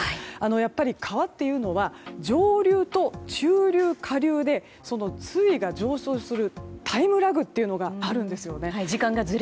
やっぱり、川っていうのは上流と中流、下流で水位が上昇するタイムラグというのがあるんですね。